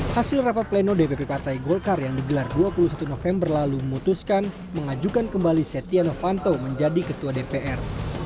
hasil rapat pleno dpp partai golkar yang digelar dua puluh satu november lalu memutuskan mengajukan kembali setia novanto menjadi ketua dpr